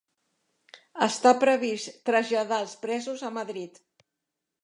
Està previst traslladar els presos a Madrid